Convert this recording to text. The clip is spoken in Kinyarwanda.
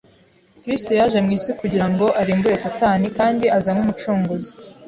Kristo yaje mu isi kugira ngo arimbure Satani kandi aza nk’Umucunguzi